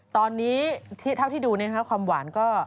ตอนนี้เท่าที่ดูความหวานก็